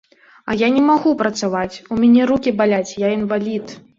А я не магу працаваць, у мяне рукі баляць, я інвалід!